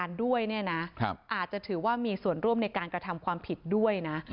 อาจจะถือว่ามีส่วนร่วมในการกระทำความผิดด้วยนะ